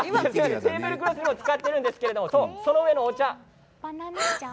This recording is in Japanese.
テーブルクロスにも使っているんですがその上のお茶。